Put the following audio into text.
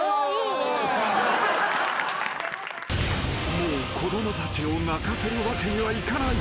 ［もう子供たちを泣かせるわけにはいかない］